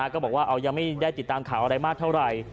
ก็บอกว่ายังไม่ได้ติดตามข่าวอะไรมากเท่าไหร่